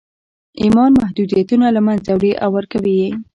ایمان محدودیتونه له منځه وړي او ورکوي یې